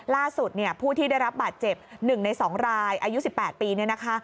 ล่าสุดเนี่ยผู้ที่ได้รับบาดเจ็บ๑ใน๒รายอายุ๑๘ปีเนี่ยนะคะ